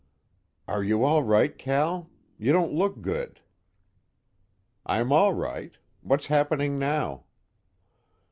"Are you all right, Cal? You don't look good." "I'm all right. What's happening now?"